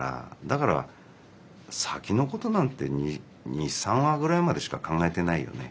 だから先のことなんて２３話ぐらいまでしか考えてないよね。